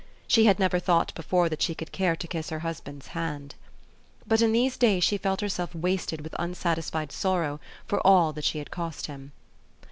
She had never thought before that she could care to kiss her hus band's hand. But in these days she felt herself wasted with unsatisfied sorrow for all that she had cost him.